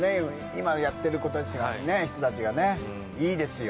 今やってる人たちがねいいですよ